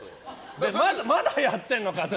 まだやってんのかって。